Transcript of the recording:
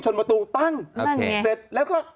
ชนประตูปั้งเสร็จแล้วก็